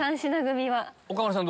岡村さん